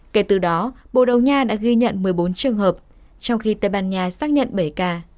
kể từ đó bồ đầu nha đã ghi nhận một mươi bốn trường hợp trong khi tây ban nha xác nhận bảy ca